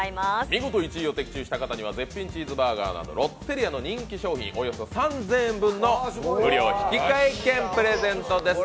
見事１位を的中した方には絶品チーズバーガーなどロッテリアの人気商品約３０００円分の無料引換券です。